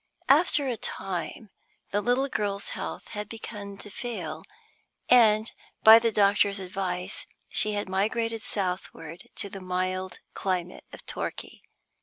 After a time the little girl's health had begun to fail, and, by the doctor's advice, she had migrated southward to the mild climate of Torquay.